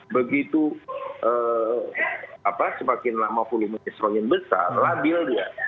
begitu semakin lama volumenya semakin besar labil dia